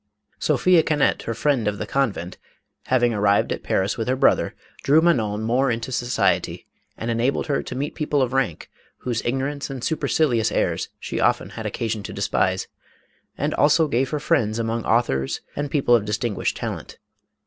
Sophia Cannet, her friend of the convent, having ar rived at Paris with her brother, drew Manon more into society, and enabled her to meet people of rank, whose ignorance and supercilious airs, she often had occasion MADAME ROLAND. 487 to despise, and also gave her friends among authors and people of distinguished talent.